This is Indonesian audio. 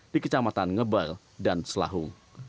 di kecamatan ngebel dan selahung